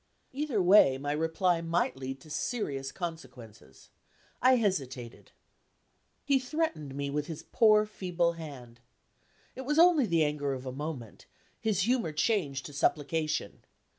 Either way, my reply might lead to serious consequences. I hesitated. He threatened me with his poor feeble hand. It was only the anger of a moment; his humor changed to supplication.